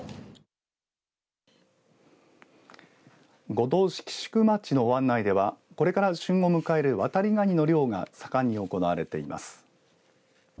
五島市岐宿町の湾内ではこれから旬を迎えるワタリガニの漁が盛んに行われています。